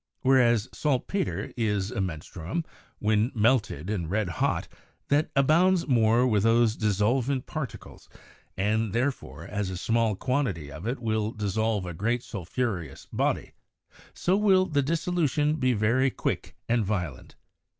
. whereas saltpeter is a menstruum, when melted and red hot, that abounds more with those dissolvent particles, and therefore as a small THE EARLY PHLOGISTIC PERIOD 97 quantity of it will dissolve a great sulphureous body, so will the dissolution be very quick and violent.